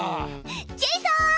ジェイソン！